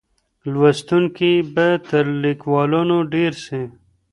لوستونکي به تر ليکوالانو ډېر سي.